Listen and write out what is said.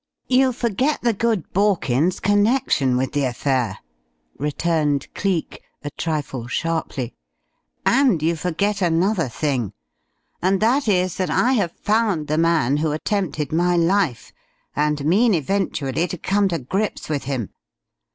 "You forget the good Borkins's connection with the affair," returned Cleek, a trifle sharply, "and you forget another thing. And that is, that I have found the man who attempted my life, and mean eventually to come to grips with him.